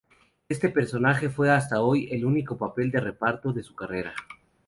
Este personaje fue hasta hoy el único papel de reparto de su carrera.